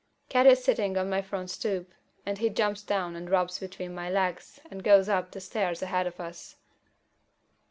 Cat is sitting on my front stoop, and he jumps down and rubs between my legs and goes up the stairs ahead of us.